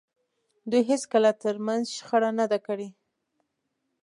دوی هېڅکله تر منځ شخړه نه ده کړې.